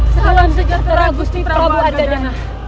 salam sejahtera gusti prabu argadana